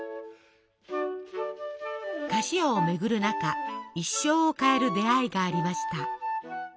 菓子屋を巡る中一生を変える出会いがありました。